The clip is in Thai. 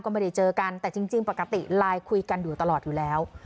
ก็ไม่ได้เจอกันแต่จริงปกติไลน์คุยกันอยู่ตลอดอยู่แล้ว